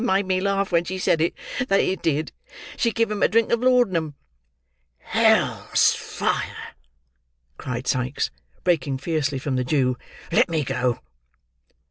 it made me laugh when she said it, that it did—she gave him a drink of laudanum." "Hell's fire!" cried Sikes, breaking fiercely from the Jew. "Let me go!"